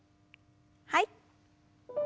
はい。